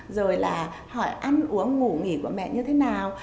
rồi là hỏi ăn uống ngủ nghỉ của mẹ như thế nào